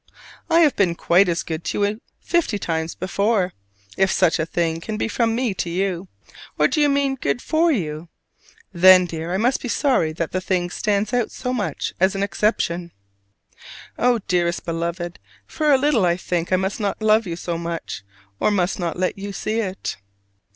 I have been quite as good to you fifty times before, if such a thing can be from me to you. Or do you mean good for you? Then, dear, I must be sorry that the thing stands out so much as an exception! Oh, dearest Beloved, for a little I think I must not love you so much, or must not let you see it.